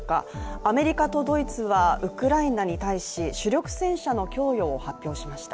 アメリカとドイツはウクライナに対し主力戦車の供与を発表しました。